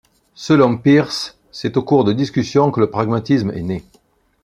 Selon Peirce, c'est au cours de discussion que le pragmatisme est né.